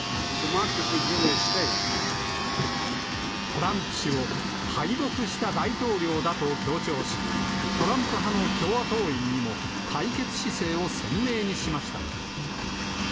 トランプ氏を敗北した大統領だと強調し、トランプ派の共和党員にも対決姿勢を鮮明にしました。